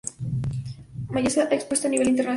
Masaya ha expuesto a nivel internacional.